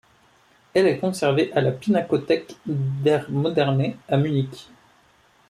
Elle est conservée à la Pinakothek der Moderne, à Munich.